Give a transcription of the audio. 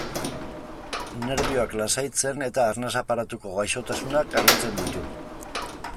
Nerbioak lasaitzen eta arnas aparatuko gaixotasunak arintzen ditu.